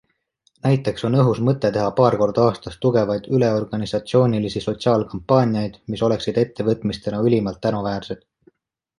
Näiteks on õhus mõte teha paar korda aastas tugevaid üleorganisatsioonilisi sotsiaalkampaaniaid, mis oleksid ettevõtmistena ülimalt tänuväärsed.